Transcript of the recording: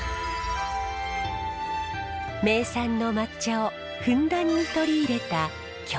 名産の抹茶をふんだんに取り入れた京懐石です。